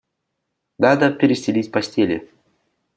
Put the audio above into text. Надо перестелить постели.